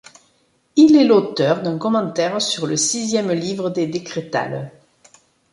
Il est l'auteur d'un commentaire sur le sixième livre des décrétales.